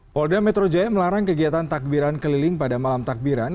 polda metro jaya melarang kegiatan takbiran keliling pada malam takbiran